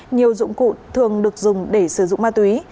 nhiều dụng cụ thường được dùng để sử dụng ma túy